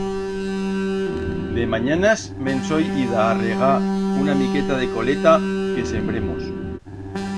De manyanas me'n so ida a regar una miqueta de coleta que sembremos.